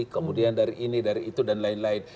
kemudian dari ini dari itu dan lain lain